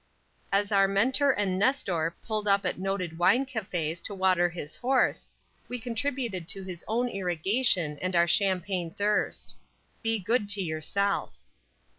As our mentor and nestor pulled up at noted wine cafés to water his horse, we contributed to his own irrigation and our champagne thirst. Be good to yourself.